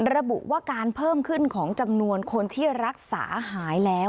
ระบุว่าการเพิ่มขึ้นของจำนวนคนที่รักษาหายแล้ว